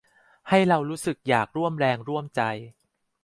ให้เรารู้สึกอยากร่วมแรงร่วมใจ